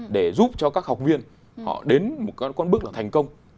để giúp cho các học viên họ đến một bước là thành công